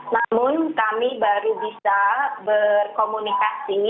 namun kami baru bisa berkomunikasi